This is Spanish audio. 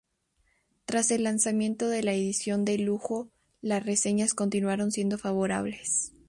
Tras el lanzamiento de la edición de lujo las reseñas continuaron siendo favorables.